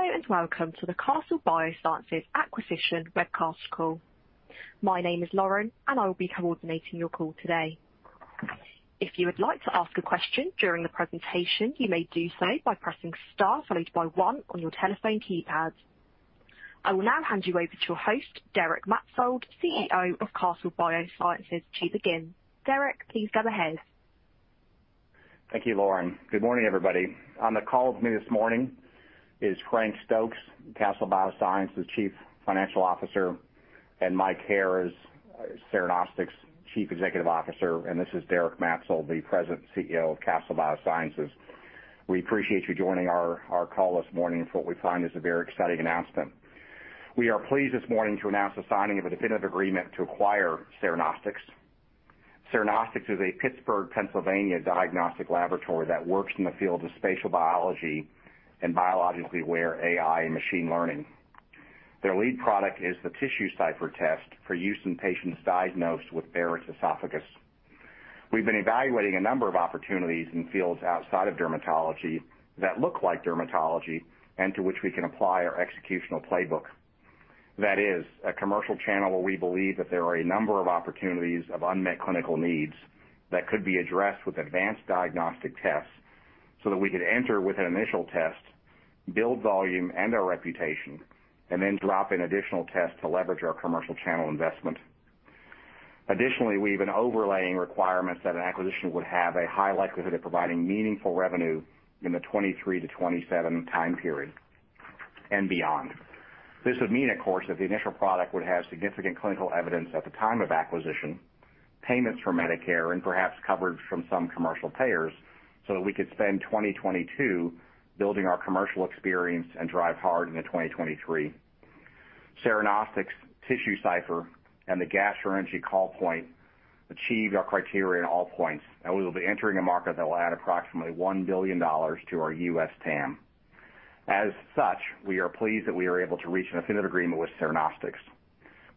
Hello and welcome to the Castle Biosciences Acquisition Webcast Call. My name is Lauren, and I will be coordinating your call today. If you would like to ask a question during the presentation, you may do so by pressing star followed by one on your telephone keypad. I will now hand you over to your host, Derek Maetzold, CEO of Castle Biosciences, to begin. Derek, please go ahead. Thank you, Lauren. Good morning, everybody. On the call with me this morning is Frank Stokes, Castle Biosciences Chief Financial Officer, and Mike Hair is Cernostics Chief Executive Officer. This is Derek Maetzold, the President and CEO of Castle Biosciences. We appreciate you joining our call this morning for what we find is a very exciting announcement. We are pleased this morning to announce the signing of a definitive agreement to acquire Cernostics. Cernostics is a Pittsburgh, Pennsylvania, diagnostic laboratory that works in the field of spatial biology and biologically aware AI and machine learning. Their lead product is the TissueCypher test for use in patients diagnosed with Barrett's esophagus. We have been evaluating a number of opportunities in fields outside of dermatology that look like dermatology and to which we can apply our executional playbook. That is, a commercial channel where we believe that there are a number of opportunities of unmet clinical needs that could be addressed with advanced diagnostic tests so that we could enter with an initial test, build volume and our reputation, and then drop in additional tests to leverage our commercial channel investment. Additionally, we have an overlaying requirement that an acquisition would have a high likelihood of providing meaningful revenue in the 2023 to 2027 time period and beyond. This would mean, of course, that the initial product would have significant clinical evidence at the time of acquisition, payments for Medicare, and perhaps coverage from some commercial payers so that we could spend 2022 building our commercial experience and drive hard into 2023. TissueCypher and the gastroenterology call point achieved our criteria in all points, and we will be entering a market that will add approximately $1 billion to our U.S. TAM. As such, we are pleased that we are able to reach a definitive agreement with Cernostics.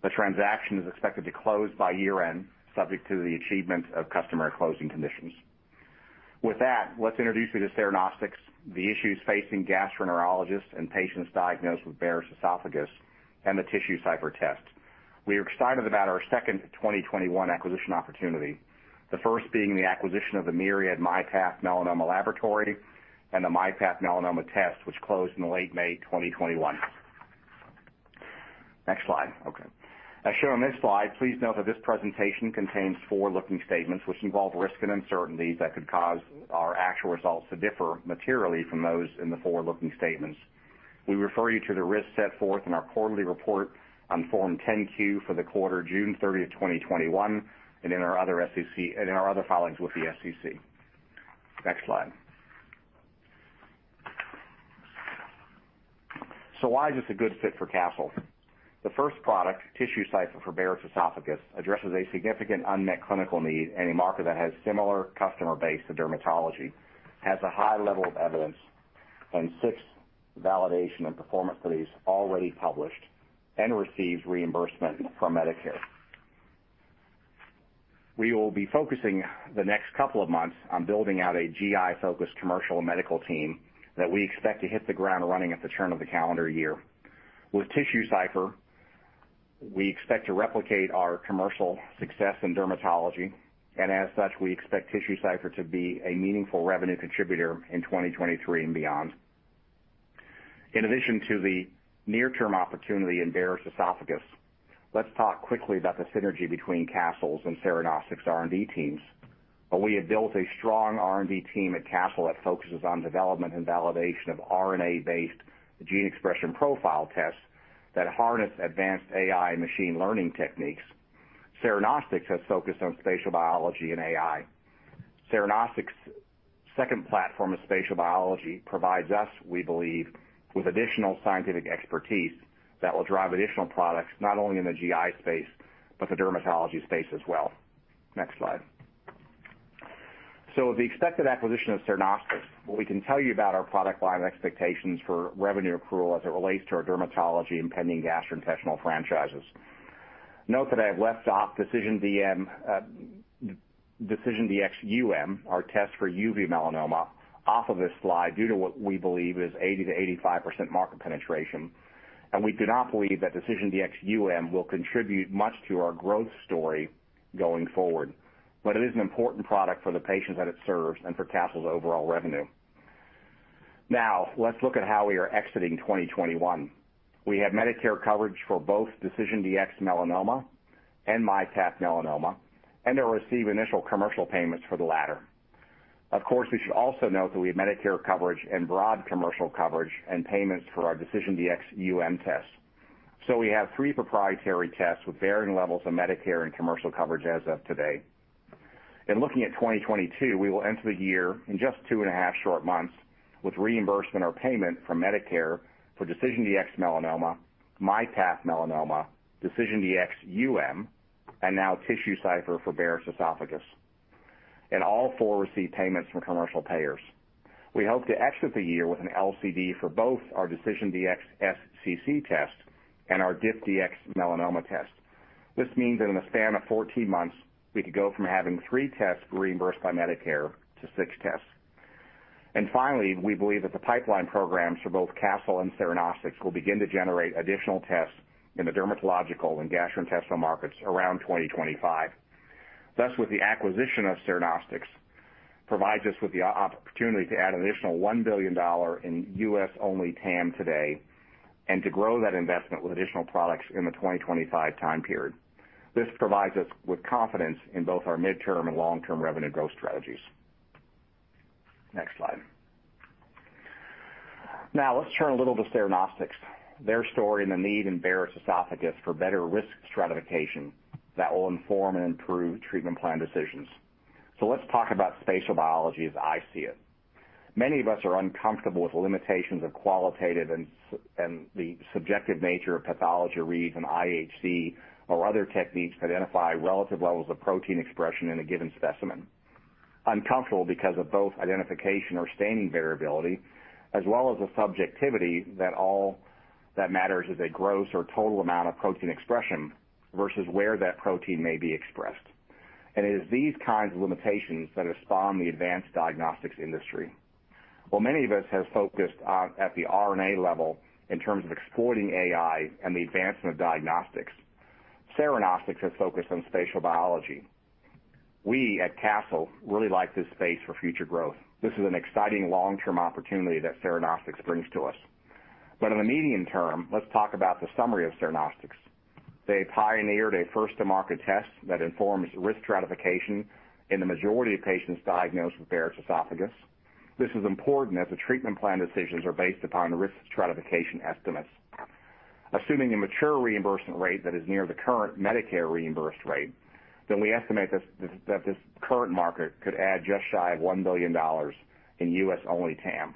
The transaction is expected to close by year-end, subject to the achievement of customary closing conditions. With that, let's introduce you to Cernostics, the issues facing gastroenterologists and patients diagnosed with Barrett's esophagus, and the TissueCypher test. We are excited about our second 2021 acquisition opportunity, the first being the acquisition of the Myriad myPath Melanoma laboratory and the myPath Melanoma test, which closed in late May 2021. Next slide. Okay. As shown on this slide, please note that this presentation contains forward-looking statements which involve risk and uncertainties that could cause our actual results to differ materially from those in the forward-looking statements. We refer you to the risks set forth in our quarterly report on Form 10-Q for the quarter of June 30, 2021, and in our other filings with the SEC. Next slide. Why is this a good fit for Castle? The first product, TissueCypher for Barrett's esophagus, addresses a significant unmet clinical need and a market that has a similar customer base to dermatology, has a high level of evidence, and six validation and performance studies already published and received reimbursement from Medicare. We will be focusing the next couple of months on building out a GI-focused commercial medical team that we expect to hit the ground running at the turn of the calendar year. With TissueCypher, we expect to replicate our commercial success in dermatology, and as such, we expect TissueCypher to be a meaningful revenue contributor in 2023 and beyond. In addition to the near-term opportunity in Barrett's esophagus, let's talk quickly about the synergy between Castle's and Cernostics' R&D teams. We have built a strong R&D team at Castle that focuses on development and validation of RNA-based gene expression profile tests that harness advanced AI and machine learning techniques. Cernostics has focused on spatial biology and AI. Cirion Optics' second platform of spatial biology provides us, we believe, with additional scientific expertise that will drive additional products not only in the GI space but the dermatology space as well. Next slide. With the expected acquisition of Cirion Optics, what we can tell you about our product line and expectations for revenue accrual as it relates to our dermatology and pending gastrointestinal franchises. Note that I have left off DecisionDx-UM, our test for uveal melanoma, off of this slide due to what we believe is 80-85% market penetration. We do not believe that DecisionDx-UM will contribute much to our growth story going forward, but it is an important product for the patients that it serves and for Castle's overall revenue. Now, let's look at how we are exiting 2021. We have Medicare coverage for both DecisionDx-Melanoma and myPath Melanoma, and we'll receive initial commercial payments for the latter. Of course, we should also note that we have Medicare coverage and broad commercial coverage and payments for our DecisionDx-UM test. We have three proprietary tests with varying levels of Medicare and commercial coverage as of today. In looking at 2022, we will enter the year in just two and a half short months with reimbursement or payment from Medicare for DecisionDx-Melanoma, myPath Melanoma, DecisionDx-UM, and now TissueCypher for Barrett's esophagus. All four receive payments from commercial payers. We hope to exit the year with an LCD for both our DecisionDx-SCC test and our DiffDx-Melanoma test. This means that in the span of 14 months, we could go from having three tests reimbursed by Medicare to six tests. Finally, we believe that the pipeline programs for both Castle and Cernostics will begin to generate additional tests in the dermatological and gastrointestinal markets around 2025. Thus, with the acquisition of Cernostics, it provides us with the opportunity to add an additional $1 billion in U.S.-only TAM today and to grow that investment with additional products in the 2025 time period. This provides us with confidence in both our midterm and long-term revenue growth strategies. Next slide. Now, let's turn a little to Cernostics, their story and the need in Barrett's esophagus for better risk stratification that will inform and improve treatment plan decisions. Let's talk about spatial biology as I see it. Many of us are uncomfortable with the limitations of qualitative and the subjective nature of pathology reads and IHC or other techniques to identify relative levels of protein expression in a given specimen. Uncomfortable because of both identification or staining variability as well as the subjectivity that all that matters is a gross or total amount of protein expression versus where that protein may be expressed. It is these kinds of limitations that have spawned the advanced diagnostics industry. While many of us have focused at the RNA level in terms of exploiting AI and the advancement of diagnostics, Cernostics has focused on spatial biology. We at Castle really like this space for future growth. This is an exciting long-term opportunity that Cernostics brings to us. In the medium term, let's talk about the summary of Cernostics. They pioneered a first-to-market test that informs risk stratification in the majority of patients diagnosed with Barrett's esophagus. This is important as the treatment plan decisions are based upon risk stratification estimates. Assuming a mature reimbursement rate that is near the current Medicare reimbursed rate, then we estimate that this current market could add just shy of $1 billion in U.S.-only TAM.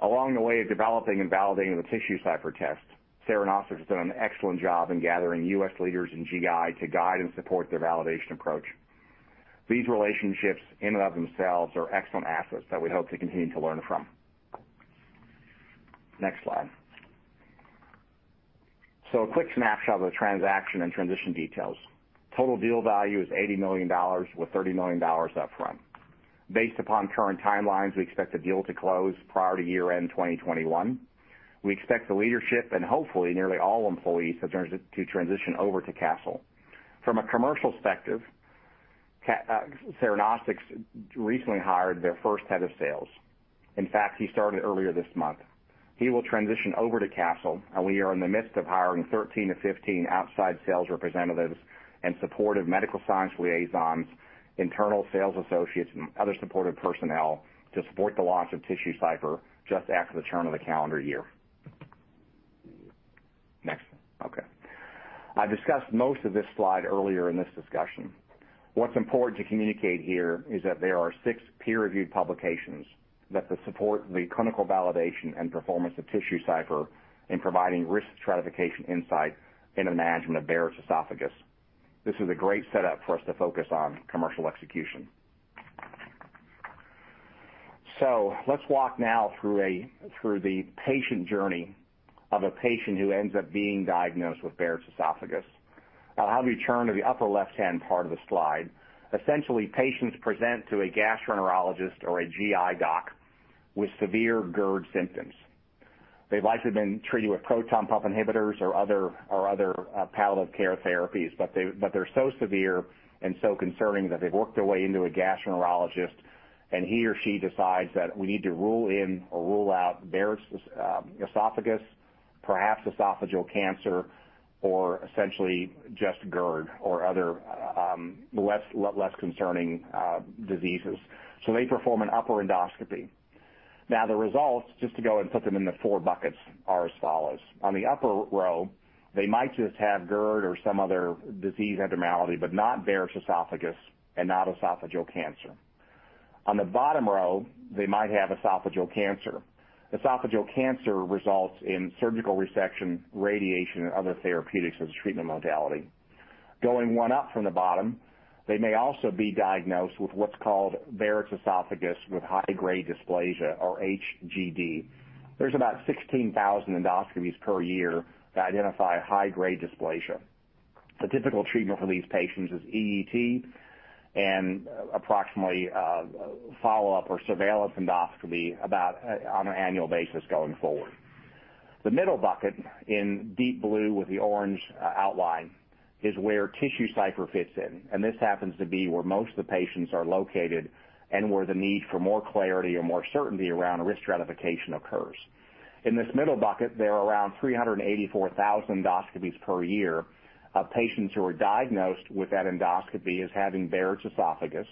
Along the way of developing and validating the TissueCypher test, Cernostics has done an excellent job in gathering U.S. leaders in GI to guide and support their validation approach. These relationships in and of themselves are excellent assets that we hope to continue to learn from. Next slide. A quick snapshot of the transaction and transition details. Total deal value is $80 million with $30 million upfront. Based upon current timelines, we expect the deal to close prior to year-end 2021. We expect the leadership and hopefully nearly all employees to transition over to Castle. From a commercial perspective, Cernostics recently hired their first head of sales. In fact, he started earlier this month. He will transition over to Castle, and we are in the midst of hiring 13-15 outside sales representatives and supportive medical science liaisons, internal sales associates, and other supportive personnel to support the launch of TissueCypher just after the turn of the calendar year. Next. Okay. I've discussed most of this slide earlier in this discussion. What's important to communicate here is that there are six peer-reviewed publications that support the clinical validation and performance of TissueCypher in providing risk stratification insight in the management of Barrett's esophagus. This is a great setup for us to focus on commercial execution. Let's walk now through the patient journey of a patient who ends up being diagnosed with Barrett's esophagus. I'll have you turn to the upper left-hand part of the slide. Essentially, patients present to a gastroenterologist or a GI doc with severe GERD symptoms. They've likely been treated with proton pump inhibitors or other palliative care therapies, but they're so severe and so concerning that they've worked their way into a gastroenterologist, and he or she decides that we need to rule in or rule out Barrett's esophagus, perhaps esophageal cancer, or essentially just GERD or other less concerning diseases. They perform an upper endoscopy. Now, the results, just to go and put them in the four buckets, are as follows. On the upper row, they might just have GERD or some other disease abnormality, but not Barrett's esophagus and not esophageal cancer. On the bottom row, they might have esophageal cancer. Esophageal cancer results in surgical resection, radiation, and other therapeutics as a treatment modality. Going one up from the bottom, they may also be diagnosed with what's called Barrett's esophagus with high-grade dysplasia or HGD. There's about 16,000 endoscopies per year that identify high-grade dysplasia. The typical treatment for these patients is EET and approximately follow-up or surveillance endoscopy on an annual basis going forward. The middle bucket, in deep blue with the orange outline, is where TissueCypher fits in. This happens to be where most of the patients are located and where the need for more clarity or more certainty around risk stratification occurs. In this middle bucket, there are around 384,000 endoscopies per year of patients who are diagnosed with that endoscopy as having Barrett's esophagus,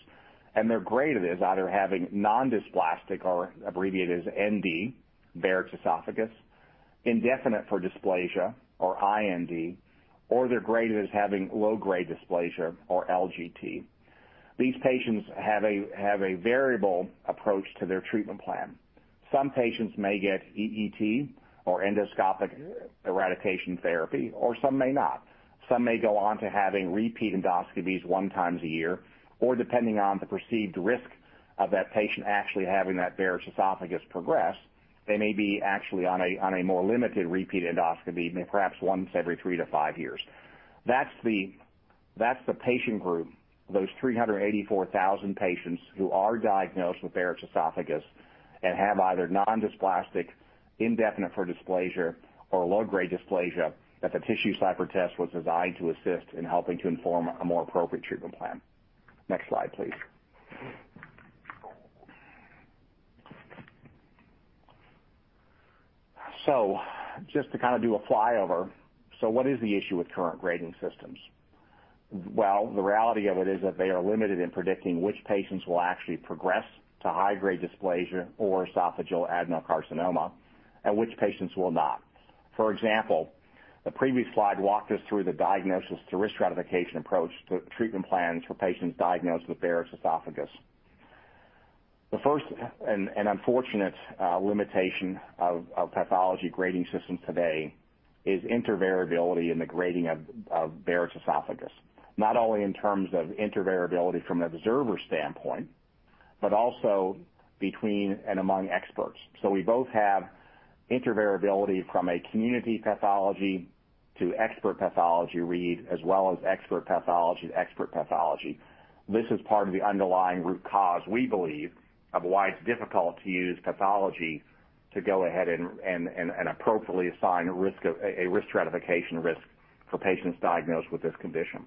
and their grade is either having non-dysplastic or abbreviated as ND, Barrett's esophagus, indefinite for dysplasia or IND, or their grade is having low-grade dysplasia or LGD. These patients have a variable approach to their treatment plan. Some patients may get EET or endoscopic eradication therapy, or some may not. Some may go on to having repeat endoscopies one time a year, or depending on the perceived risk of that patient actually having that Barrett's esophagus progress, they may be actually on a more limited repeat endoscopy, maybe perhaps once every 3-5 years. That's the patient group, those 384,000 patients who are diagnosed with Barrett's esophagus and have either non-dysplastic, indefinite for dysplasia, or low-grade dysplasia that the TissueCypher test was designed to assist in helping to inform a more appropriate treatment plan. Next slide, please. Just to kind of do a flyover, what is the issue with current grading systems? The reality of it is that they are limited in predicting which patients will actually progress to high-grade dysplasia or esophageal adenocarcinoma and which patients will not. For example, the previous slide walked us through the diagnosis to risk stratification approach to treatment plans for patients diagnosed with Barrett's esophagus. The first and unfortunate limitation of pathology grading systems today is intervariability in the grading of Barrett's esophagus, not only in terms of intervariability from an observer standpoint, but also between and among experts. We both have intervariability from a community pathology to expert pathology read as well as expert pathology to expert pathology. This is part of the underlying root cause, we believe, of why it's difficult to use pathology to go ahead and appropriately assign a risk stratification risk for patients diagnosed with this condition.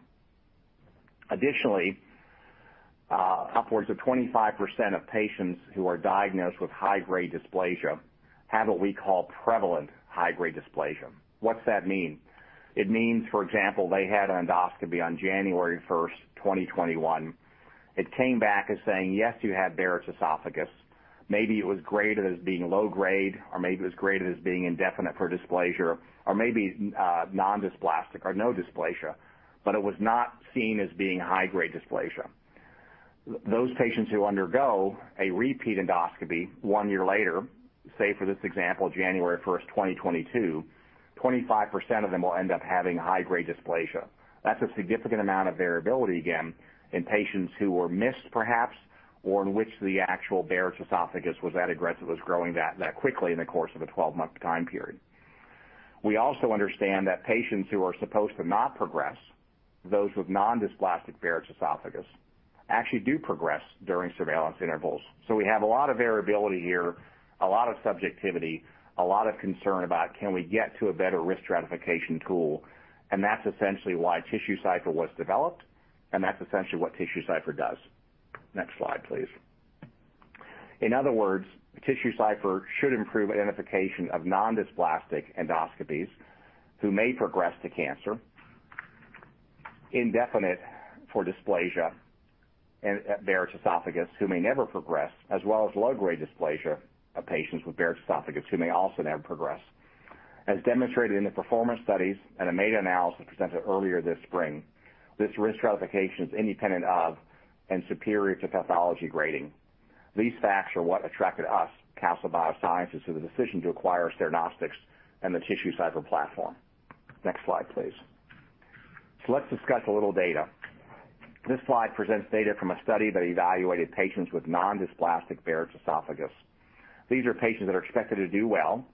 Additionally, upwards of 25% of patients who are diagnosed with high-grade dysplasia have what we call prevalent high-grade dysplasia. What's that mean? It means, for example, they had an endoscopy on January 1, 2021. It came back as saying, "Yes, you had Barrett's esophagus." Maybe it was graded as being low-grade, or maybe it was graded as being indefinite for dysplasia, or maybe non-dysplastic or no dysplasia, but it was not seen as being high-grade dysplasia. Those patients who undergo a repeat endoscopy one year later, say for this example, January 1st, 2022, 25% of them will end up having high-grade dysplasia. That's a significant amount of variability again in patients who were missed perhaps or in which the actual Barrett's esophagus was that aggressive, was growing that quickly in the course of a 12-month time period. We also understand that patients who are supposed to not progress, those with non-dysplastic Barrett's esophagus, actually do progress during surveillance intervals. We have a lot of variability here, a lot of subjectivity, a lot of concern about can we get to a better risk stratification tool, and that's essentially why TissueCypher was developed, and that's essentially what TissueCypher does. Next slide, please. In other words, TissueCypher should improve identification of non-dysplastic endoscopies who may progress to cancer, indefinite for dysplasia and Barrett's esophagus who may never progress, as well as low-grade dysplasia of patients with Barrett's esophagus who may also never progress. As demonstrated in the performance studies and a meta-analysis presented earlier this spring, this risk stratification is independent of and superior to pathology grading. These facts are what attracted us, Castle Biosciences, to the decision to acquire Cernostics and the TissueCypher platform. Next slide, please. Let's discuss a little data. This slide presents data from a study that evaluated patients with non-dysplastic Barrett's esophagus. These are patients that are expected to do well,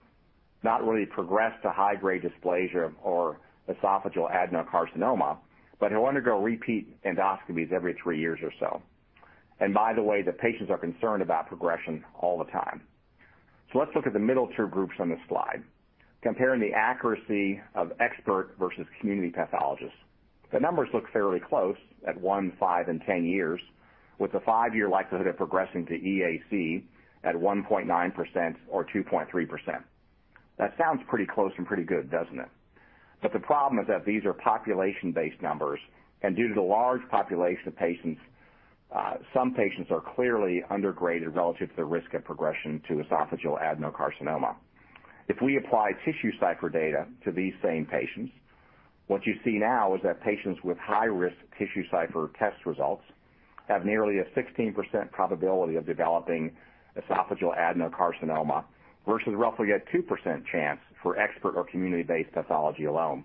not really progress to high-grade dysplasia or esophageal adenocarcinoma, but who undergo repeat endoscopies every three years or so. By the way, the patients are concerned about progression all the time. Let's look at the middle two groups on this slide, comparing the accuracy of expert versus community pathologists. The numbers look fairly close at 1, 5, and 10 years, with a five-year likelihood of progressing to EAC at 1.9% or 2.3%. That sounds pretty close and pretty good, doesn't it? The problem is that these are population-based numbers, and due to the large population of patients, some patients are clearly undergraded relative to the risk of progression to esophageal adenocarcinoma. If we apply TissueCypher data to these same patients, what you see now is that patients with high-risk TissueCypher test results have nearly a 16% probability of developing esophageal adenocarcinoma versus roughly a 2% chance for expert or community-based pathology alone.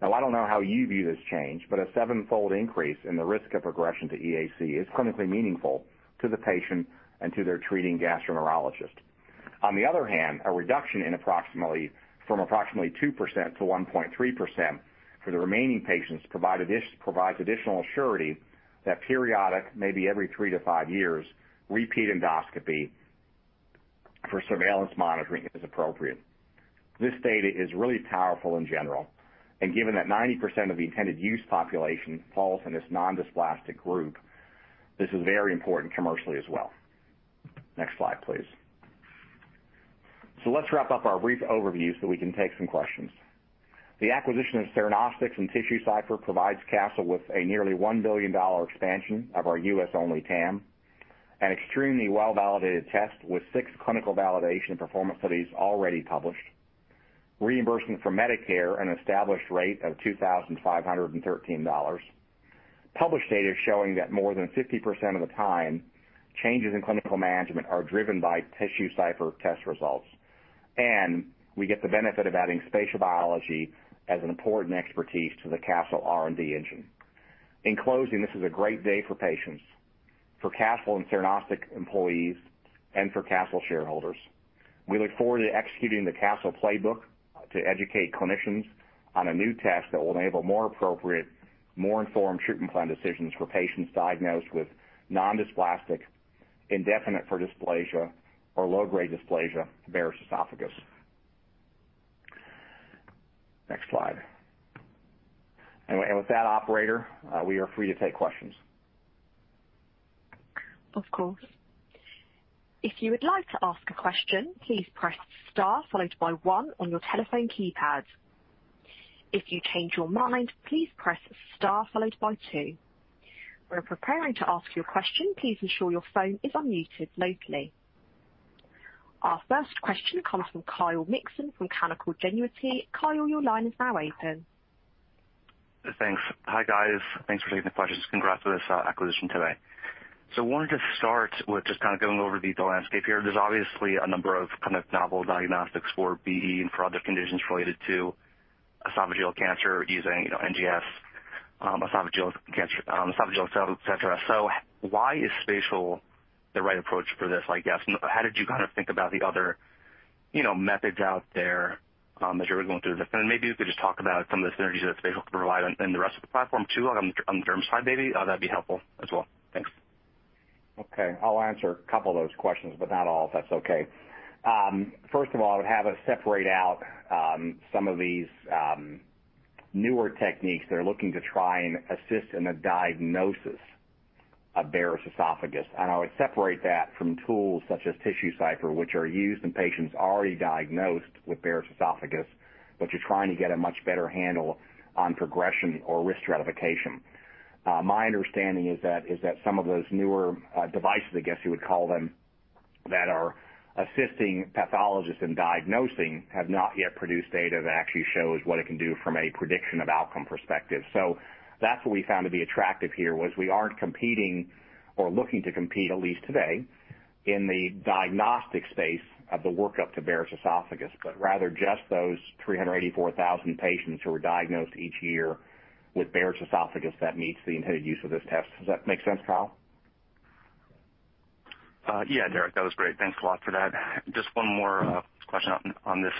Now, I don't know how you view this change, but a seven-fold increase in the risk of progression to EAC is clinically meaningful to the patient and to their treating gastroenterologist. On the other hand, a reduction from approximately 2% to 1.3% for the remaining patients provides additional assurity that periodic, maybe every three to five years, repeat endoscopy for surveillance monitoring is appropriate. This data is really powerful in general, and given that 90% of the intended use population falls in this non-dysplastic group, this is very important commercially as well. Next slide, please. Let's wrap up our brief overview so we can take some questions. The acquisition of Cernostics and TissueCypher provides Castle with a nearly $1 billion expansion of our U.S.-only TAM, an extremely well-validated test with six clinical validation and performance studies already published, reimbursement from Medicare, and an established rate of $2,513. Publish data showing that more than 50% of the time, changes in clinical management are driven by TissueCypher test results, and we get the benefit of adding spatial biology as an important expertise to the Castle R&D engine. In closing, this is a great day for patients, for Castle and Cernostics employees, and for Castle shareholders. We look forward to executing the Castle Playbook to educate clinicians on a new test that will enable more appropriate, more informed treatment plan decisions for patients diagnosed with non-dysplastic, indefinite for dysplasia, or low-grade dysplasia Barrett's esophagus. Next slide. With that, operator, we are free to take questions. Of course. If you would like to ask a question, please press star followed by one on your telephone keypad. If you change your mind, please press star followed by two. We are preparing to ask you a question. Please ensure your phone is unmuted locally. Our first question comes from Kyle Mikson from Canaccord Genuity. Kyle, your line is now open. Thanks. Hi, guys. Thanks for taking the questions. Congrats with this acquisition today. I wanted to start with just kind of going over the landscape here. There's obviously a number of kind of novel diagnostics for BE and for other conditions related to esophageal cancer using NGS, esophageal cancer, etc. Why is spatial the right approach for this, I guess? How did you kind of think about the other methods out there as you were going through this? Maybe you could just talk about some of the synergies that spatial could provide in the rest of the platform too, on the derm side, maybe. That'd be helpful as well. Thanks. Okay. I'll answer a couple of those questions, but not all, if that's okay. First of all, I would have us separate out some of these newer techniques that are looking to try and assist in the diagnosis of Barrett's esophagus. I would separate that from tools such as TissueCypher, which are used in patients already diagnosed with Barrett's esophagus, but you're trying to get a much better handle on progression or risk stratification. My understanding is that some of those newer devices, I guess you would call them, that are assisting pathologists in diagnosing have not yet produced data that actually shows what it can do from a prediction of outcome perspective. That's what we found to be attractive here, was we aren't competing or looking to compete, at least today, in the diagnostic space of the workup to Barrett's esophagus, but rather just those 384,000 patients who are diagnosed each year with Barrett's esophagus that meets the intended use of this test. Does that make sense, Kyle? Yeah, Derek, that was great. Thanks a lot for that. Just one more question on this.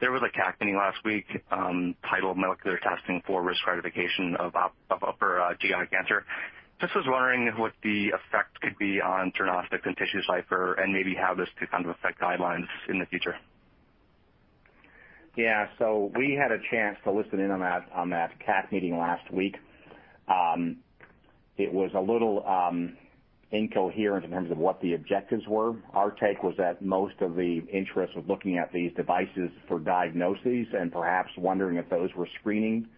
There was a CAC meeting last week titled Molecular Testing for Risk Stratification of Upper GI Cancer. Just was wondering what the effect could be on Cernostics and TissueCypher and maybe how this could kind of affect guidelines in the future. Yeah. So we had a chance to listen in on that CAC meeting last week. It was a little incoherent in terms of what the objectives were. Our take was that most of the interest was looking at these devices for diagnoses and perhaps wondering if those were screening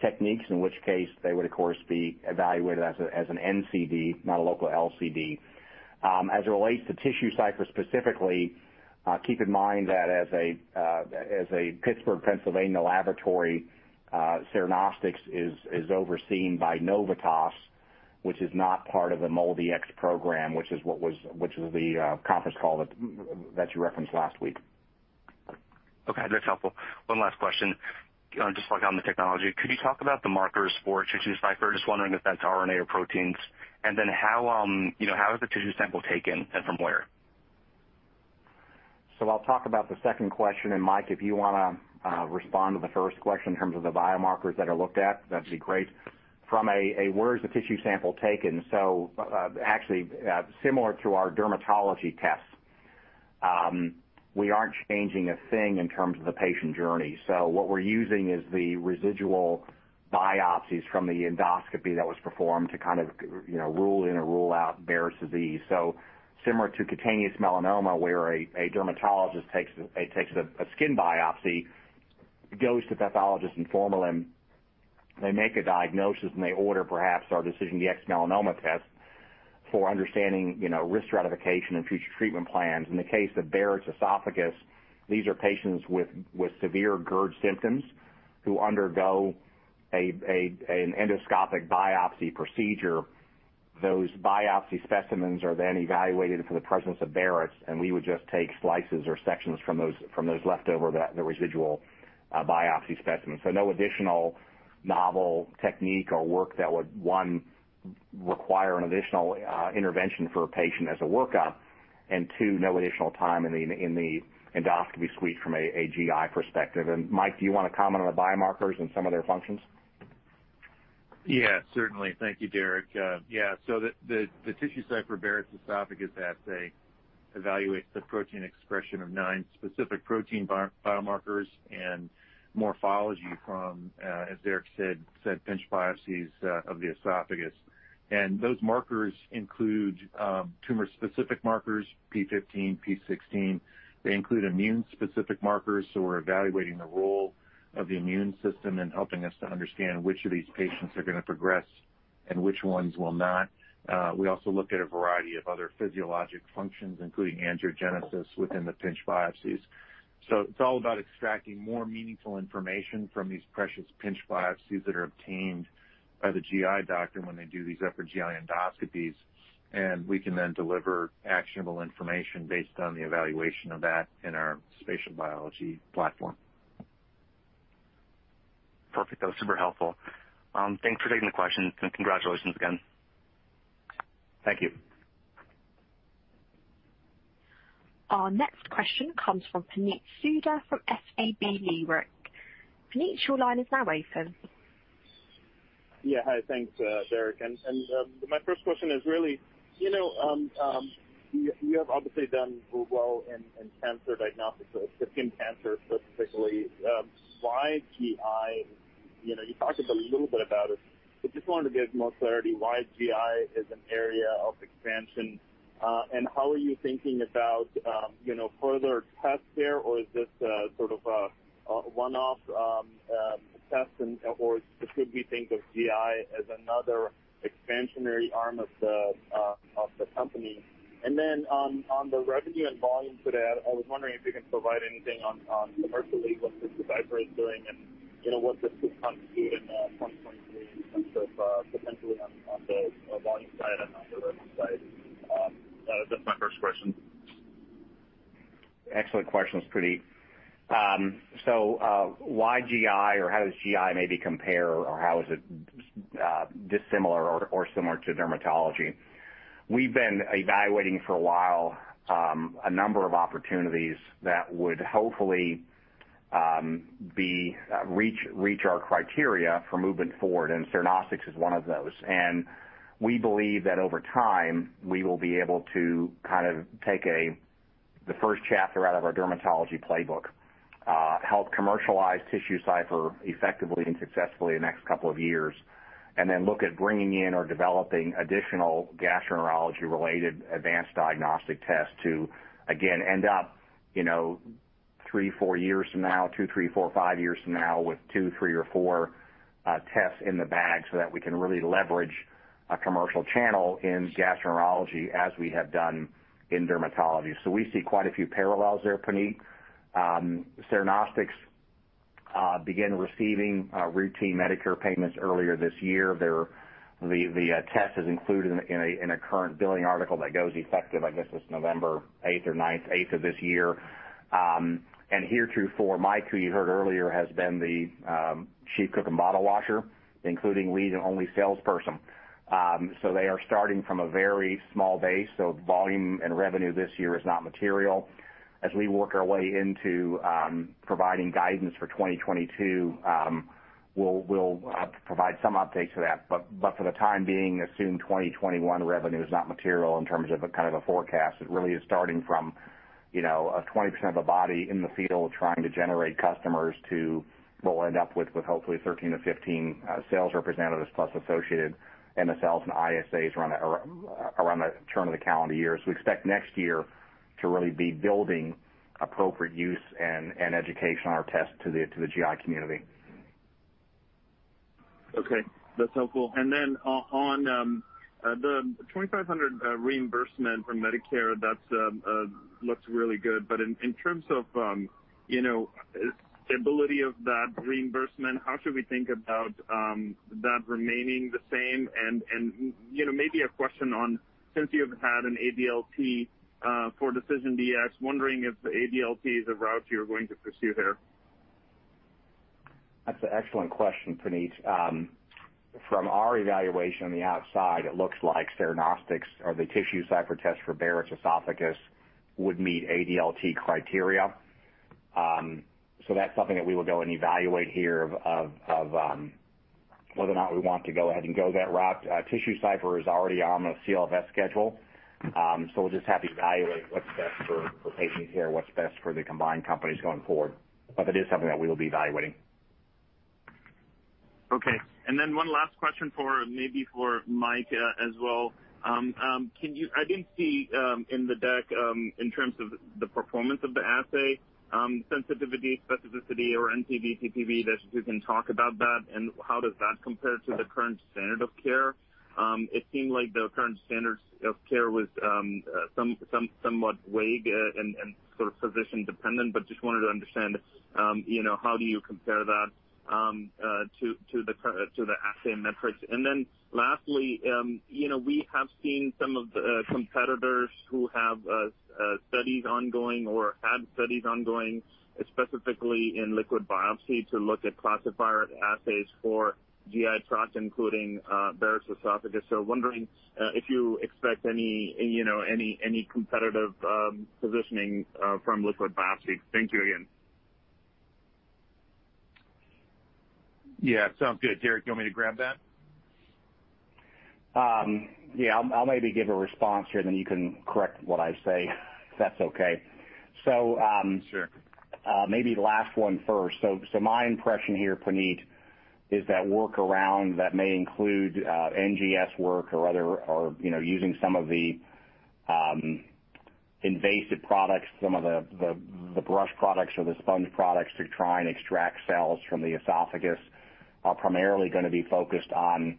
techniques, in which case they would, of course, be evaluated as an NCD, not a local LCD. As it relates to TissueCypher specifically, keep in mind that as a Pittsburgh, Pennsylvania laboratory, Cernostics is overseen by Novitas, which is not part of the MOLDX program, which is the conference call that you referenced last week. Okay. That's helpful. One last question, just like on the technology. Could you talk about the markers for TissueCypher? Just wondering if that's RNA or proteins. And then how is the tissue sample taken and from where? I'll talk about the second question, and Mike, if you want to respond to the first question in terms of the biomarkers that are looked at, that'd be great. From a, where is the tissue sample taken? Actually, similar to our dermatology tests, we aren't changing a thing in terms of the patient journey. What we're using is the residual biopsies from the endoscopy that was performed to kind of rule in or rule out Barrett's disease. Similar to cutaneous melanoma, where a dermatologist takes a skin biopsy, goes to pathologists and formalin, they make a diagnosis, and they order perhaps our DecisionDx-Melanoma test for understanding risk stratification and future treatment plans. In the case of Barrett's esophagus, these are patients with severe GERD symptoms who undergo an endoscopic biopsy procedure. Those biopsy specimens are then evaluated for the presence of Barrett's, and we would just take slices or sections from those leftover, the residual biopsy specimens. No additional novel technique or work that would, one, require an additional intervention for a patient as a workup, and two, no additional time in the endoscopy suite from a GI perspective. Mike, do you want to comment on the biomarkers and some of their functions? Yeah, certainly. Thank you, Derek. Yeah. The TissueCypher Barrett's Esophagus assay evaluates the protein expression of nine specific protein biomarkers and morphology from, as Derek said, pinch biopsies of the esophagus. Those markers include tumor-specific markers, P15, P16. They include immune-specific markers, so we're evaluating the role of the immune system and helping us to understand which of these patients are going to progress and which ones will not. We also look at a variety of other physiologic functions, including angiogenesis within the pinch biopsies. It is all about extracting more meaningful information from these precious pinch biopsies that are obtained by the GI doctor when they do these upper GI endoscopies, and we can then deliver actionable information based on the evaluation of that in our spatial biology platform. Perfect. That was super helpful. Thanks for taking the question, and congratulations again. Thank you. Our next question comes from [Puneet Sudha from SAB Newark]. Puneet, your line is now open. Yeah. Hi, thanks, Derek. My first question is really, you have obviously done well in cancer diagnostics, skin cancer specifically. Why GI? You talked a little bit about it, but just wanted to get more clarity on why GI is an area of expansion, and how are you thinking about further tests there, or is this sort of a one-off test, or should we think of GI as another expansionary arm of the company? On the revenue and volume today, I was wondering if you can provide anything on commercially what this cipher is doing and what this could constitute in 2023 in terms of potentially on the volume side and on the revenue side. That's my first question. Excellent questions, Puneet. Why GI, or how does GI maybe compare, or how is it dissimilar or similar to dermatology? We've been evaluating for a while a number of opportunities that would hopefully reach our criteria for movement forward, and Cernostics is one of those. We believe that over time, we will be able to kind of take the first chapter out of our dermatology playbook, help commercialize TissueCypher effectively and successfully in the next couple of years, and then look at bringing in or developing additional gastroenterology-related advanced diagnostic tests to, again, end up three, four years from now, 2, 3, 4, 5 years from now with two, three, or four tests in the bag so that we can really leverage a commercial channel in gastroenterology as we have done in dermatology. We see quite a few parallels there, Puneet. Cirion Optics began receiving routine Medicare payments earlier this year. The test is included in a current billing article that goes effective, I guess, this November 8th or 9th, 8th of this year. Here too, for Mike, who you heard earlier, has been the chief cook and bottle washer, including lead and only salesperson. They are starting from a very small base, so volume and revenue this year is not material. As we work our way into providing guidance for 2022, we'll provide some updates to that. For the time being, assume 2021 revenue is not material in terms of kind of a forecast. It really is starting from 20% of the body in the field trying to generate customers to what we'll end up with, hopefully, 13-15 sales representatives plus associated NSLs and ISAs around the turn of the calendar year. We expect next year to really be building appropriate use and education on our test to the GI community. Okay. That's helpful. In terms of the $2,500 reimbursement from Medicare, that looks really good. In terms of stability of that reimbursement, how should we think about that remaining the same? Maybe a question on, since you've had an ADLT for DecisionDx, wondering if the ADLT is a route you're going to pursue here. That's an excellent question, Puneet. From our evaluation on the outside, it looks like Cernostics or the TissueCypher test for Barrett's esophagus would meet ADLT criteria. That is something that we will go and evaluate here of whether or not we want to go ahead and go that route. TissueCypher is already on the CLFS schedule, so we'll just have to evaluate what's best for patients here, what's best for the combined companies going forward. It is something that we will be evaluating. Okay. One last question maybe for Mike as well. I did not see in the deck, in terms of the performance of the assay, sensitivity, specificity, or NCV, TPV, that you can talk about that, and how does that compare to the current standard of care? It seemed like the current standard of care was somewhat vague and sort of physician-dependent, but just wanted to understand how do you compare that to the assay metrics? Lastly, we have seen some of the competitors who have studies ongoing or had studies ongoing, specifically in liquid biopsy, to look at classifier assays for GI tract, including Barrett's esophagus. Wondering if you expect any competitive positioning from liquid biopsy. Thank you again. Yeah. Sounds good. Derek, do you want me to grab that? Yeah. I'll maybe give a response here, and then you can correct what I say, if that's okay. Maybe last one first. My impression here, Puneet, is that workaround that may include NGS work or using some of the invasive products, some of the brush products or the sponge products to try and extract cells from the esophagus, are primarily going to be focused on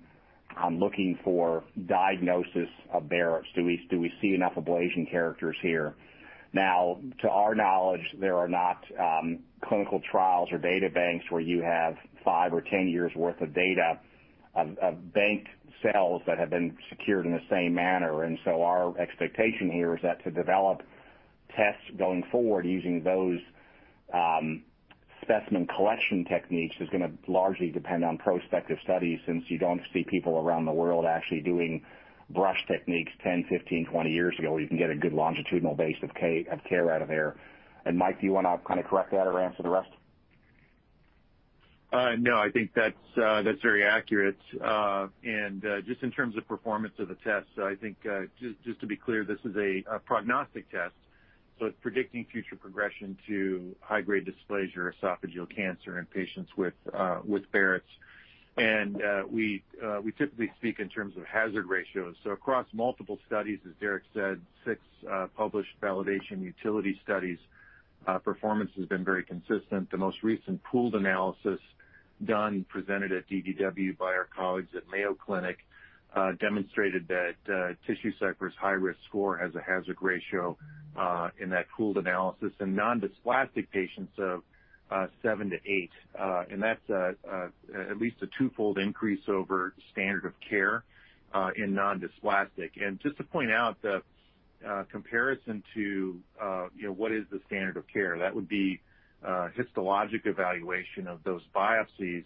looking for diagnosis of Barrett's. Do we see enough ablation characters here? Now, to our knowledge, there are not clinical trials or data banks where you have 5 or 10 years' worth of data of banked cells that have been secured in the same manner. Our expectation here is that to develop tests going forward using those specimen collection techniques is going to largely depend on prospective studies since you do not see people around the world actually doing brush techniques 10, 15, 20 years ago. You can get a good longitudinal base of care out of there. Mike, do you want to kind of correct that or answer the rest? No. I think that's very accurate. Just in terms of performance of the test, I think, just to be clear, this is a prognostic test. It is predicting future progression to high-grade dysplasia or esophageal cancer in patients with Barrett's. We typically speak in terms of hazard ratios. Across multiple studies, as Derek said, six published validation utility studies, performance has been very consistent. The most recent pooled analysis done presented at DDW by our colleagues at Mayo Clinic demonstrated that TissueCypher's high-risk score has a hazard ratio in that pooled analysis in non-dysplastic patients of 7-8. That is at least a twofold increase over standard of care in non-dysplastic. Just to point out the comparison to what is the standard of care, that would be histologic evaluation of those biopsies.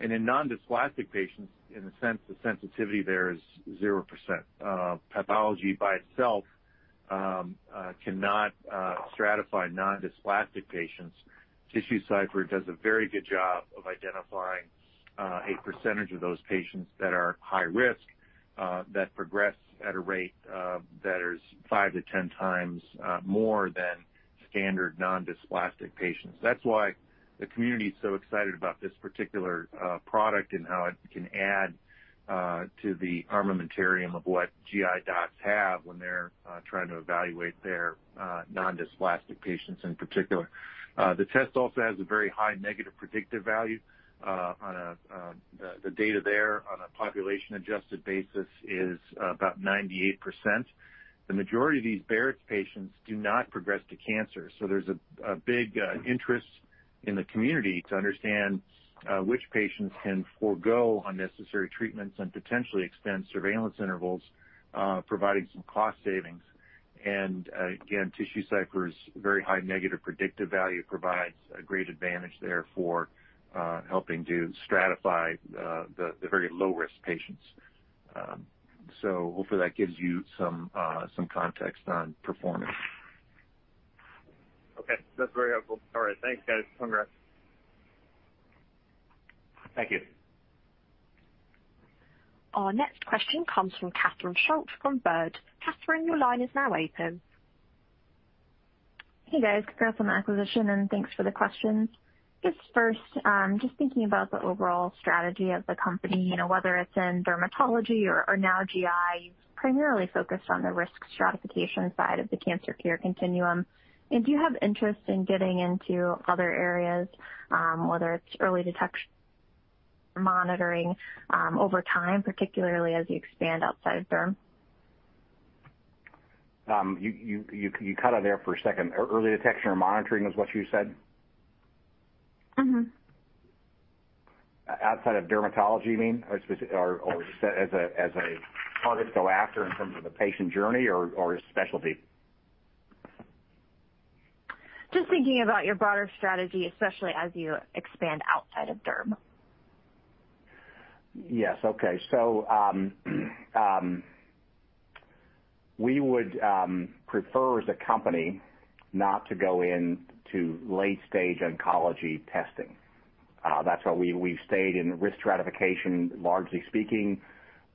In non-dysplastic patients, in a sense, the sensitivity there is 0%. Pathology by itself cannot stratify non-dysplastic patients. TissueCypher does a very good job of identifying a percentage of those patients that are high-risk that progress at a rate that is 5x-10x more than standard non-dysplastic patients. That is why the community is so excited about this particular product and how it can add to the armamentarium of what GI docs have when they are trying to evaluate their non-dysplastic patients in particular. The test also has a very high negative predictive value. The data there on a population-adjusted basis is about 98%. The majority of these Barrett's patients do not progress to cancer. There is a big interest in the community to understand which patients can forgo unnecessary treatments and potentially extend surveillance intervals, providing some cost savings. TissueCypher's very high negative predictive value provides a great advantage there for helping to stratify the very low-risk patients. Hopefully, that gives you some context on performance. Okay. That's very helpful. All right. Thanks, guys. Congrats. Thank you. Our next question comes from Catherine Schulte from Baird. Catherine, your line is now open. Hey, guys. Catherine from Acquisition, and thanks for the questions. First, just thinking about the overall strategy of the company, whether it's in dermatology or now GI, you've primarily focused on the risk stratification side of the cancer care continuum. Do you have interest in getting into other areas, whether it's early detection or monitoring over time, particularly as you expand outside of Derm? You cut out there for a second. Early detection or monitoring is what you said? Mm-hmm. Outside of dermatology, you mean, or as a target to go after in terms of the patient journey or specialty? Just thinking about your broader strategy, especially as you expand outside of Derm. Yes. Okay. We would prefer as a company not to go into late-stage oncology testing. That's why we've stayed in risk stratification, largely speaking,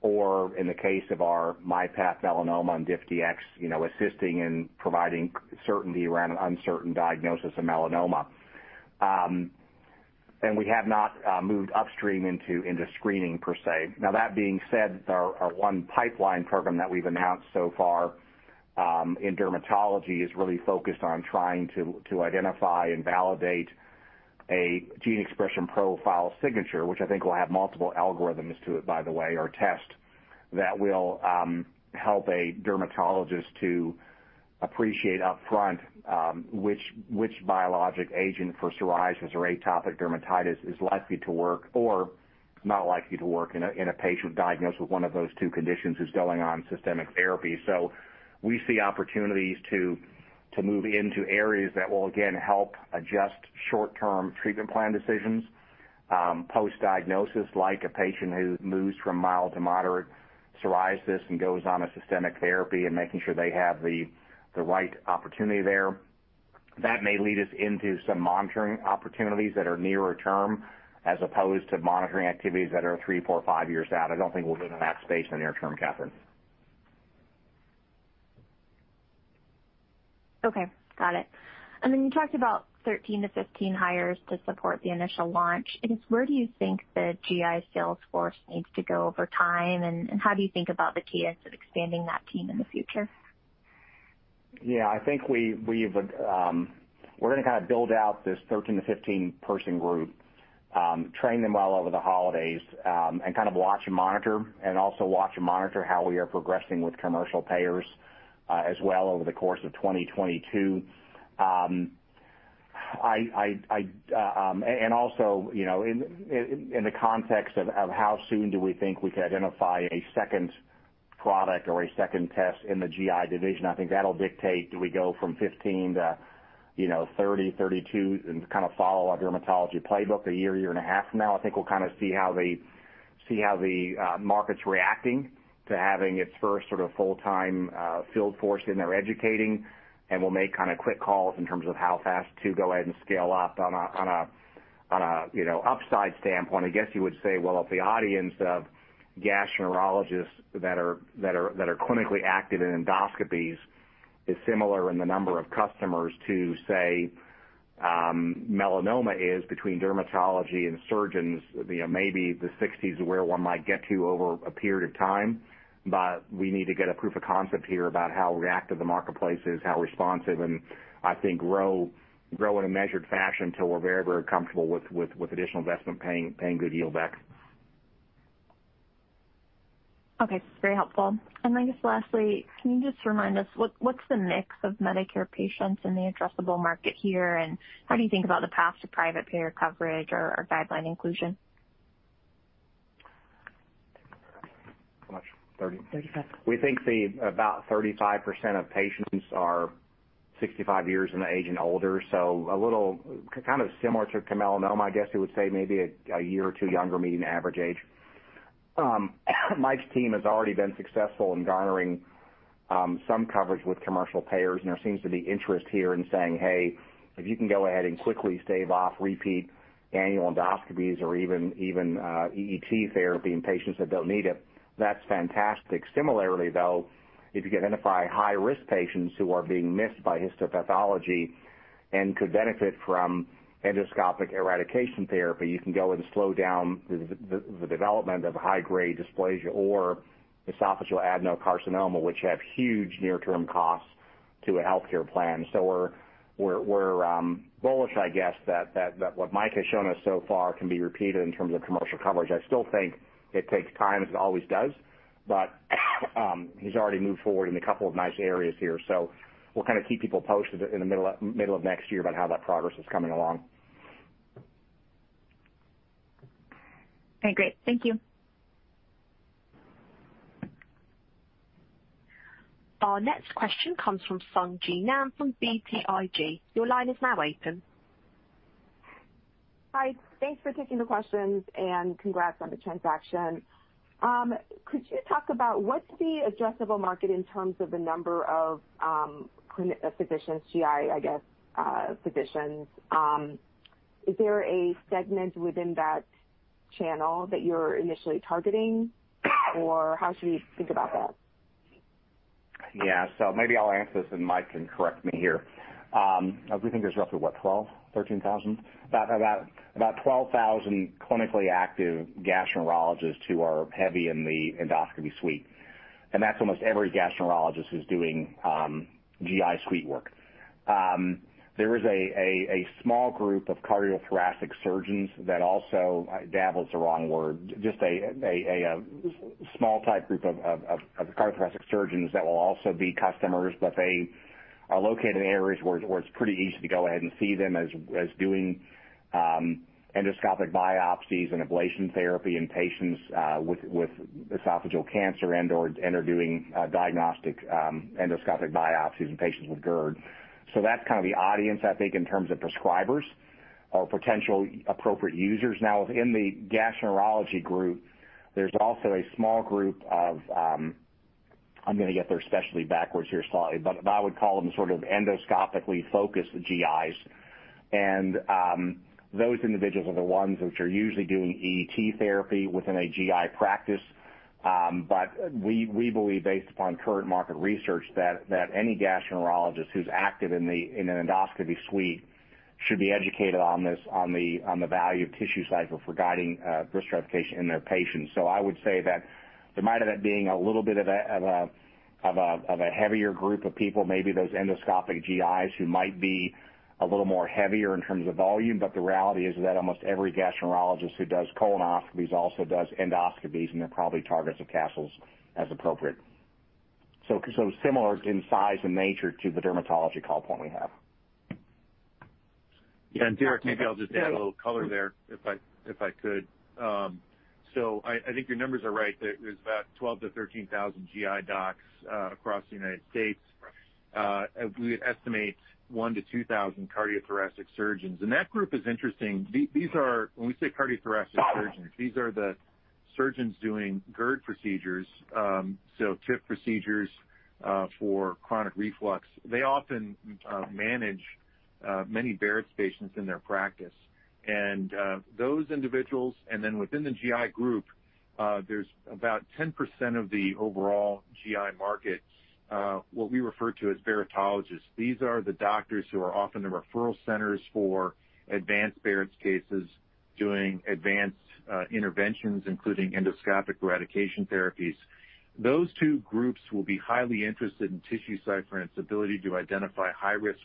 or in the case of our myPath Melanoma and DiffDx-Melanoma, assisting in providing certainty around an uncertain diagnosis of melanoma. We have not moved upstream into screening per se. That being said, our one pipeline program that we've announced so far in dermatology is really focused on trying to identify and validate a gene expression profile signature, which I think will have multiple algorithms to it, by the way, or tests that will help a dermatologist to appreciate upfront which biologic agent for psoriasis or atopic dermatitis is likely to work or not likely to work in a patient diagnosed with one of those two conditions who's going on systemic therapy. We see opportunities to move into areas that will, again, help adjust short-term treatment plan decisions post-diagnosis, like a patient who moves from mild to moderate psoriasis and goes on a systemic therapy and making sure they have the right opportunity there. That may lead us into some monitoring opportunities that are nearer term as opposed to monitoring activities that are three, four, five years out. I don't think we'll get in that space in the near term, Catherine. Okay. Got it. You talked about 13-15 hires to support the initial launch. I guess, where do you think the GI sales force needs to go over time, and how do you think about the key ends of expanding that team in the future? Yeah. I think we're going to kind of build out this 13-15 person group, train them well over the holidays, and kind of watch and monitor, and also watch and monitor how we are progressing with commercial payers as well over the course of 2022. Also, in the context of how soon do we think we can identify a second product or a second test in the GI division, I think that'll dictate do we go from 15 to 30, 32, and kind of follow our dermatology playbook a year, year and a half from now. I think we'll kind of see how the market's reacting to having its first sort of full-time field force in there educating, and we'll make kind of quick calls in terms of how fast to go ahead and scale up. On an upside standpoint, I guess you would say, well, if the audience of gastroenterologists that are clinically active in endoscopies is similar in the number of customers to, say, melanoma is between dermatology and surgeons, maybe the 60s is where one might get to over a period of time. We need to get a proof of concept here about how reactive the marketplace is, how responsive, and I think grow in a measured fashion until we're very, very comfortable with additional investment paying good yield back. Okay. Very helpful. I guess lastly, can you just remind us, what's the mix of Medicare patients in the addressable market here, and how do you think about the path to private payer coverage or guideline inclusion? How much, 30? 35. We think about 35% of patients are 65 years in age and older, so kind of similar to melanoma, I guess you would say maybe a year or two younger meeting the average age. Mike's team has already been successful in garnering some coverage with commercial payers, and there seems to be interest here in saying, "Hey, if you can go ahead and quickly stave off repeat annual endoscopies or even EET therapy in patients that do not need it, that's fantastic." Similarly, though, if you can identify high-risk patients who are being missed by histopathology and could benefit from endoscopic eradication therapy, you can go and slow down the development of high-grade dysplasia or esophageal adenocarcinoma, which have huge near-term costs to a healthcare plan. We are bullish, I guess, that what Mike has shown us so far can be repeated in terms of commercial coverage. I still think it takes time, as it always does, but he's already moved forward in a couple of nice areas here. We'll kind of keep people posted in the middle of next year about how that progress is coming along. Okay. Great. Thank you. Our next question comes from Sung Ji Nam from BTIG. Your line is now open. Hi. Thanks for taking the questions, and congrats on the transaction. Could you talk about what's the addressable market in terms of the number of physicians, GI, I guess, physicians? Is there a segment within that channel that you're initially targeting, or how should we think about that? Yeah. Maybe I'll answer this, and Mike can correct me here. I do think there's roughly, what, 12,000, 13,000? About 12,000 clinically active gastroenterologists who are heavy in the endoscopy suite. That's almost every gastroenterologist who's doing GI suite work. There is a small group of cardiothoracic surgeons that also—davil's the wrong word—just a small type group of cardiothoracic surgeons that will also be customers, but they are located in areas where it's pretty easy to go ahead and see them as doing endoscopic biopsies and ablation therapy in patients with esophageal cancer and/or doing diagnostic endoscopic biopsies in patients with GERD. That's kind of the audience, I think, in terms of prescribers or potential appropriate users. Now, within the gastroenterology group, there's also a small group of—I'm going to get their specialty backwards here slightly—but I would call them sort of endoscopically focused GIs. Those individuals are the ones which are usually doing EET therapy within a GI practice. We believe, based upon current market research, that any gastroenterologist who's active in an endoscopy suite should be educated on the value of TissueCypher for guiding risk stratification in their patients. I would say that there might end up being a little bit of a heavier group of people, maybe those endoscopic GIs who might be a little more heavier in terms of volume. The reality is that almost every gastroenterologist who does colonoscopies also does endoscopies, and they're probably targets of Castle's as appropriate. Similar in size and nature to the dermatology call point we have. Yeah. Derek, maybe I'll just add a little color there if I could. I think your numbers are right. There's about 12,000-13,000 GI docs across the United States. We would estimate 1,000-2,000 cardiothoracic surgeons. That group is interesting. When we say cardiothoracic surgeons, these are the surgeons doing GERD procedures, so TIP procedures for chronic reflux. They often manage many Barrett's patients in their practice. Those individuals, and then within the GI group, there's about 10% of the overall GI market, what we refer to as Barrettologists. These are the doctors who are often the referral centers for advanced Barrett's cases doing advanced interventions, including endoscopic eradication therapies. Those two groups will be highly interested in TissueCypher and its ability to identify high-risk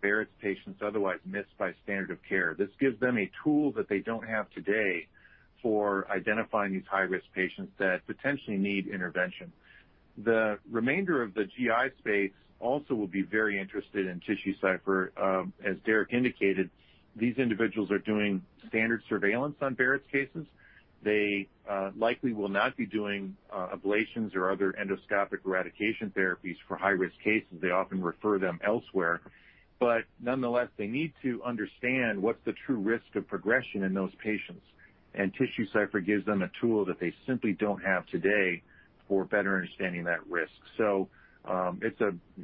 Barrett's patients otherwise missed by standard of care. This gives them a tool that they don't have today for identifying these high-risk patients that potentially need intervention. The remainder of the GI space also will be very interested in TissueCypher. As Derek indicated, these individuals are doing standard surveillance on Barrett's cases. They likely will not be doing ablations or other endoscopic eradication therapies for high-risk cases. They often refer them elsewhere. Nonetheless, they need to understand what's the true risk of progression in those patients. TissueCypher gives them a tool that they simply don't have today for better understanding that risk. It is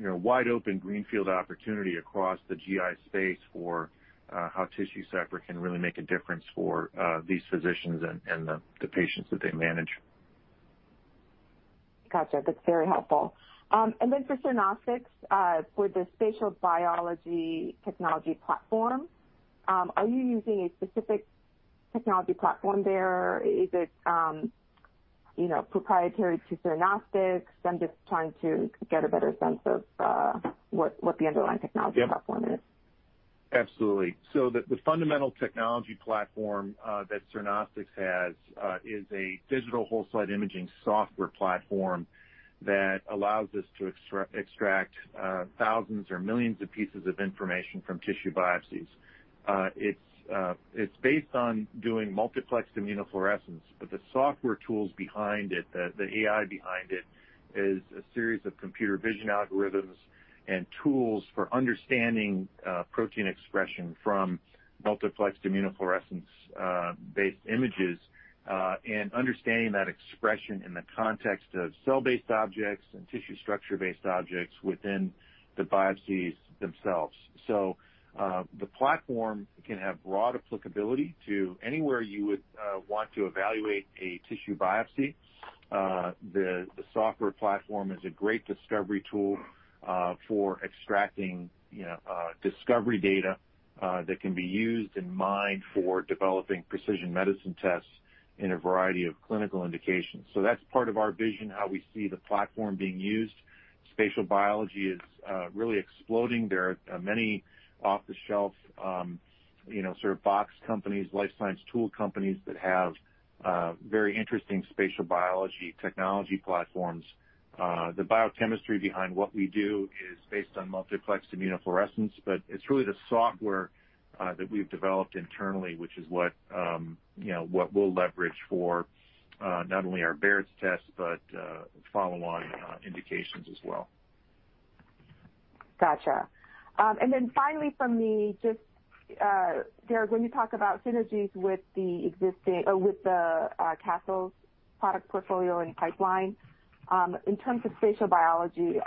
a wide-open greenfield opportunity across the GI space for how TissueCypher can really make a difference for these physicians and the patients that they manage. Got you. That's very helpful. And then for Cernostics, with the spatial biology technology platform, are you using a specific technology platform there? Is it proprietary to Cernostics? I'm just trying to get a better sense of what the underlying technology platform is. Absolutely. The fundamental technology platform that Cernostics has is a digital whole-site imaging software platform that allows us to extract thousands or millions of pieces of information from tissue biopsies. It's based on doing multiplexed immunofluorescence, but the software tools behind it, the AI behind it, is a series of computer vision algorithms and tools for understanding protein expression from multiplexed immunofluorescence-based images and understanding that expression in the context of cell-based objects and tissue structure-based objects within the biopsies themselves. The platform can have broad applicability to anywhere you would want to evaluate a tissue biopsy. The software platform is a great discovery tool for extracting discovery data that can be used and mined for developing precision medicine tests in a variety of clinical indications. That's part of our vision, how we see the platform being used. Spatial biology is really exploding. There are many off-the-shelf sort of box companies, life science tool companies that have very interesting spatial biology technology platforms. The biochemistry behind what we do is based on multiplexed immunofluorescence, but it's really the software that we've developed internally, which is what we'll leverage for not only our Barrett's tests but follow-on indications as well. Got you. And then finally, just Derek, when you talk about synergies with the existing with the Castle's product portfolio and pipeline, in terms of spatial biology,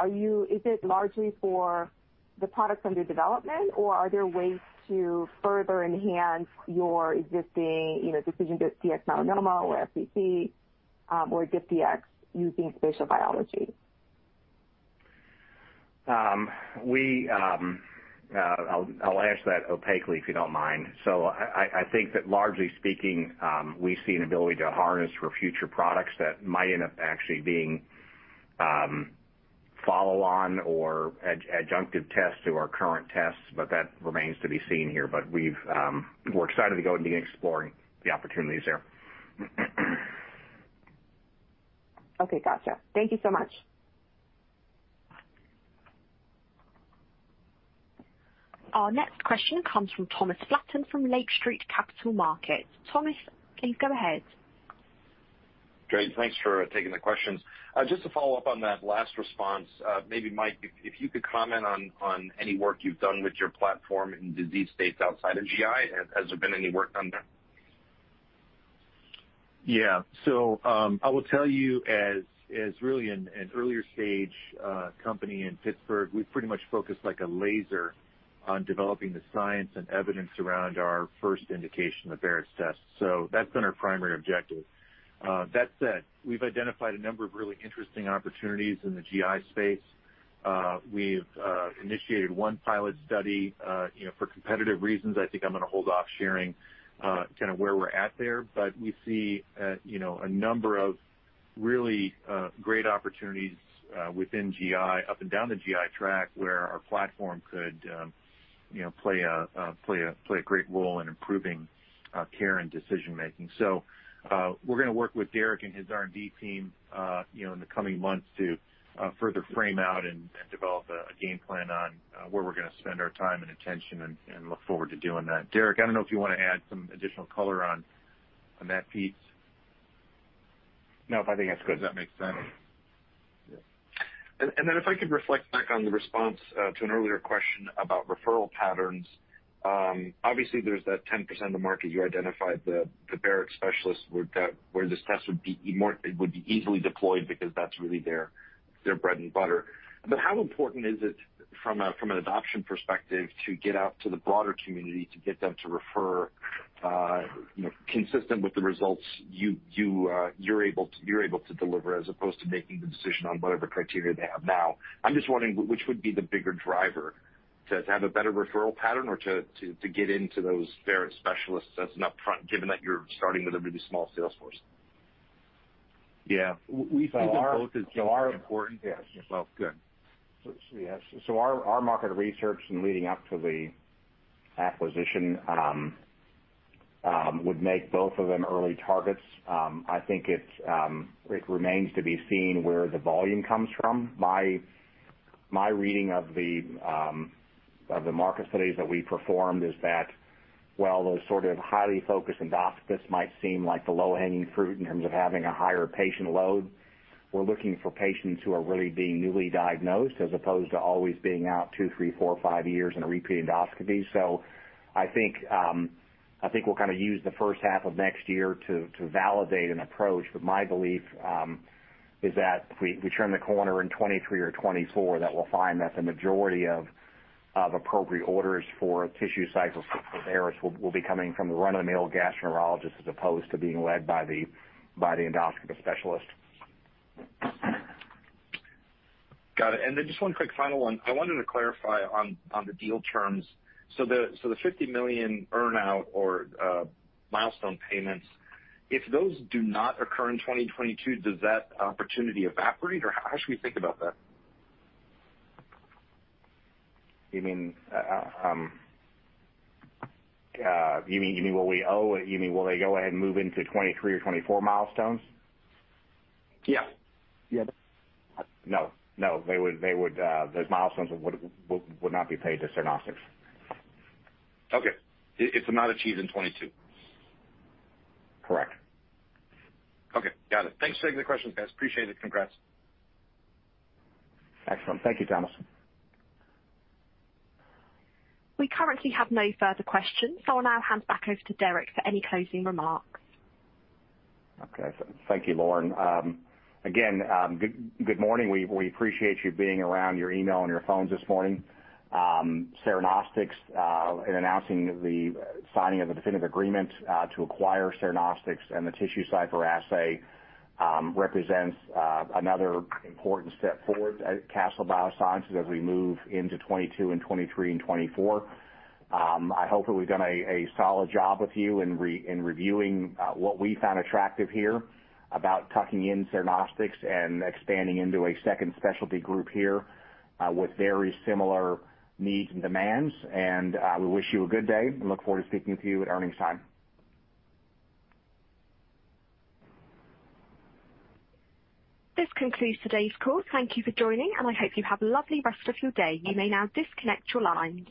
is it largely for the products under development, or are there ways to further enhance your existing DecisionDx-Melanoma or SCC or DiffDx using spatial biology? I'll answer that opaquely if you don't mind. I think that, largely speaking, we see an ability to harness for future products that might end up actually being follow-on or adjunctive tests to our current tests, but that remains to be seen here. We're excited to go and begin exploring the opportunities there. Okay. Got you. Thank you so much. Our next question comes from Thomas Flaten from Lake Street Capital Markets. Thomas, please go ahead. Great. Thanks for taking the questions. Just to follow up on that last response, maybe Mike, if you could comment on any work you've done with your platform in disease states outside of GI, has there been any work done there? Yeah. I will tell you, as really an earlier stage company in Pittsburgh, we've pretty much focused like a laser on developing the science and evidence around our first indication, the Barrett's test. That's been our primary objective. That said, we've identified a number of really interesting opportunities in the GI space. We've initiated one pilot study. For competitive reasons, I think I'm going to hold off sharing kind of where we're at there. We see a number of really great opportunities within GI, up and down the GI track, where our platform could play a great role in improving care and decision-making. We're going to work with Derek and his R&D team in the coming months to further frame out and develop a game plan on where we're going to spend our time and attention and look forward to doing that. Derek, I don't know if you want to add some additional color on that piece. No, I think that's good. That makes sense. If I could reflect back on the response to an earlier question about referral patterns, obviously there's that 10% of the market you identified, the Barrett specialists, where this test would be easily deployed because that's really their bread and butter. How important is it, from an adoption perspective, to get out to the broader community to get them to refer consistent with the results you're able to deliver as opposed to making the decision on whatever criteria they have now? I'm just wondering which would be the bigger driver: to have a better referral pattern or to get into those Barrett specialists as an upfront, given that you're starting with a really small sales force? Yeah. So our importance. Both are important. Yeah. Good. Our market research and leading up to the acquisition would make both of them early targets. I think it remains to be seen where the volume comes from. My reading of the market studies that we performed is that, while those sort of highly focused endoscopists might seem like the low-hanging fruit in terms of having a higher patient load, we're looking for patients who are really being newly diagnosed as opposed to always being out two, three, four, five years in a repeat endoscopy. I think we'll kind of use the first half of next year to validate an approach. My belief is that if we turn the corner in 2023 or 2024, we'll find that the majority of appropriate orders for TissueCypher for Barrett's will be coming from the run-of-the-mill gastroenterologists as opposed to being led by the endoscopist specialist. Got it. Just one quick final one. I wanted to clarify on the deal terms. The $50 million earnout or milestone payments, if those do not occur in 2022, does that opportunity evaporate? How should we think about that? You mean what we owe? You mean will they go ahead and move into 2023 or 2024 milestones? Yeah. No. No. Those milestones would not be paid to Cernostics. Okay. If they're not achieved in 2022. Correct. Okay. Got it. Thanks for taking the questions, guys. Appreciate it. Congrats. Excellent. Thank you, Thomas. We currently have no further questions, so I'll now hand back over to Derek for any closing remarks. Okay. Thank you, Lauren. Again, good morning. We appreciate you being around your email and your phone this morning. Cernostics in announcing the signing of the definitive agreement to acquire Cernostics and the TissueCypher assay represents another important step forward at Castle Biosciences as we move into 2022 and 2023 and 2024. I hope that we've done a solid job with you in reviewing what we found attractive here about tucking in Cernostics and expanding into a second specialty group here with very similar needs and demands. We wish you a good day and look forward to speaking with you at earnings time. This concludes today's call. Thank you for joining, and I hope you have a lovely rest of your day. You may now disconnect your lines.